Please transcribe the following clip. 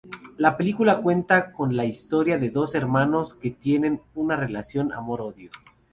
La película cuenta la historia de dos hermanos que tienen una relación amor-odio.